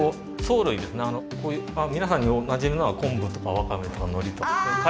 皆さんにおなじみのは昆布とかワカメとかノリとか。